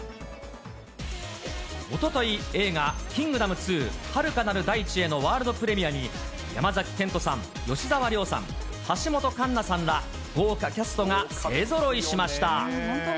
おととい、映画、キングダム２遥かなる大地へのワールドプレミアに、山崎賢人さん、吉沢亮さん、橋本環奈さんら豪華キャストが勢ぞろいしました。